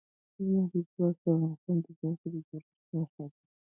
لمریز ځواک د افغانستان د ځمکې د جوړښت نښه ده.